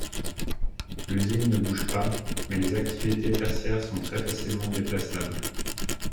L’usine ne bouge pas mais les activités tertiaires sont très facilement déplaçables.